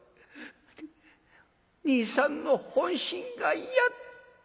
兄さんの本心がやっと」。